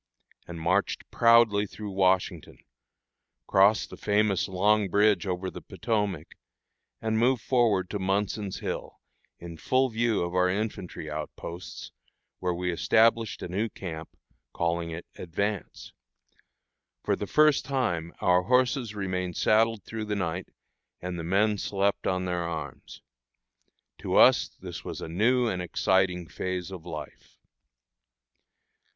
and marched proudly through Washington, crossed the famous Long Bridge over the Potomac, and moved forward to Munson's Hill, in full view of our infantry outposts, where we established a new camp, calling it "Advance." For the first time our horses remained saddled through the night, and the men slept on their arms. To us this was a new and exciting phase of life.